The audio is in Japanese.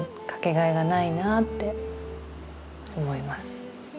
かけがえがないなって思います。